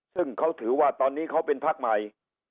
ซึ่งเขาถือว่าตอนนี้เขาเป็นพักใหม่